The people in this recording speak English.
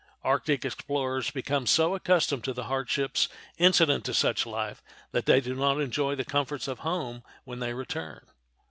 Arctic explorers become so accustomed to the hardships incident to such a life that they do not enjoy the comforts of home when they return.